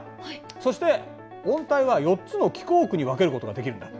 そして温帯は４つの気候区に分けることができるんだ。